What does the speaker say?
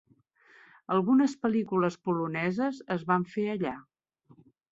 Algunes pel·lícules poloneses es van fer allà.